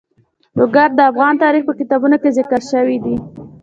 لوگر د افغان تاریخ په کتابونو کې ذکر شوی دي.